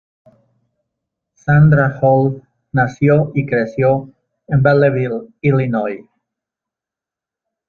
Sandra Hall nació y creció en Belleville, Illinois.